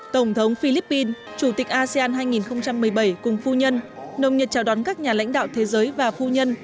tổng thống philippines chủ tịch asean hai nghìn một mươi bảy cùng phu nhân nồng nhiệt chào đón các nhà lãnh đạo thế giới và phu nhân